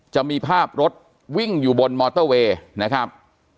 จะมีภาพรถวิ่งอยู่บนมอเตอร์เวย์นะครับ